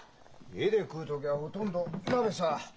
家で食う時はほとんど鍋さ。